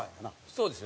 そうですよね。